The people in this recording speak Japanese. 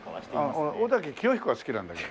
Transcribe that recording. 俺尾崎紀世彦が好きなんだけど。